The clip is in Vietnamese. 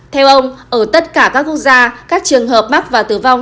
theo ông ở tất cả các quốc gia các trường hợp mắc và tử vong